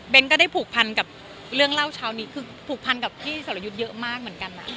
ก็ได้ผูกพันกับเรื่องเล่าเช้านี้คือผูกพันกับพี่สรยุทธ์เยอะมากเหมือนกัน